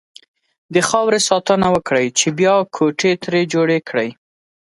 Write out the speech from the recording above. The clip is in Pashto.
د خاورې ساتنه وکړئ! چې بيا کوټې ترې جوړې کړئ.